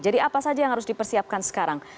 jadi apa saja yang harus dipersiapkan sekarang